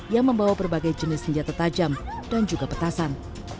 yang membawa berbagai jenis senjata tajam dan juga petasan